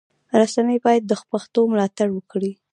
رسنی باید د پښتو ملاتړ وکړي.